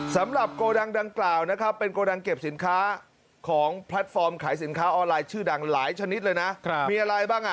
สำหรับโกดังดังกล่าวนะครับเป็นโกดังเก็บสินค้าของแพลตฟอร์มขายสินค้าออนไลน์ชื่อดังหลายชนิดเลยนะมีอะไรบ้างอ่ะ